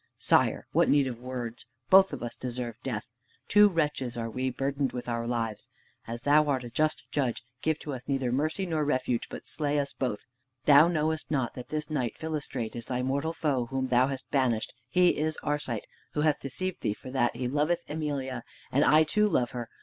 "Sire, what need of words? Both of us deserve death. Two wretches are we, burdened with our lives. As thou art a just judge, give to us neither mercy nor refuge, but slay us both. Thou knowrest not that this knight, Philostrate, is thy mortal foe, whom thou hast banished. He is Arcite, who hath deceived thee for that he loveth Emelia. And I too love her.